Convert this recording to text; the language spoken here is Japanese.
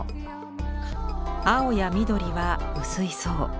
青や緑は薄い層